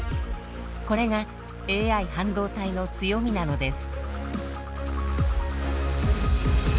これがＡＩ半導体の強みなのです。